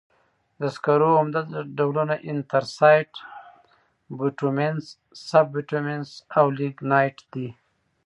د سکرو عمده ډولونه انترسایت، بټومینس، سب بټومینس او لېګنایټ دي.